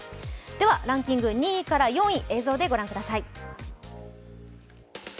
ランキング２位から４位映像でご覧ください。